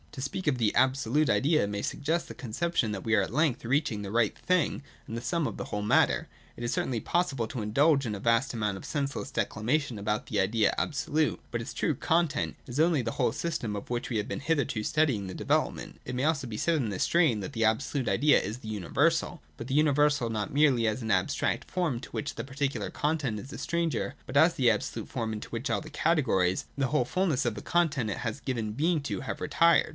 To speak of the absolute idea may suggest the conception that we are at length reaching the right thing and the sum of the whole matter. It is certainly possible to indulge in a 237 2,^8.J THE ABSOLUTE IDEA. 375 vast amount of senseless declamation about the idea abso ^ lute. But its true content is only the whole system of which we have been hitherto studying the development. It may also be said in this strain that the absolute idea is the universal, but the universal not merely as an abstract form to which the particular content is a stranger, but as the absolute form, into which all the categories, the whole full ness of the content it has given being to, have retired.